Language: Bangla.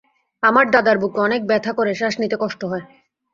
আমার দাদার বুকে অনেক ব্যথা করে শ্বাস নিতে কষ্ট হয়।